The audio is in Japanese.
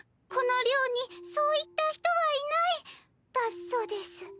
この寮にそういった人はいないだそうです。